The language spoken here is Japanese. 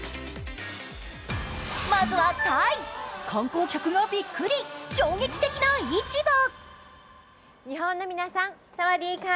まずはタイ、観光客がびっくり、衝撃的な市場。